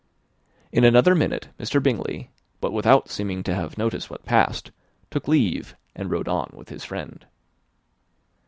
In another minute Mr. Bingley, but without seeming to have noticed what passed, took leave and rode on with his friend.